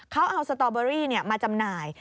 เขาเอาสตอเบอรี่มาจำหน่าย